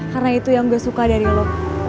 karena itu yang gue suka dari lo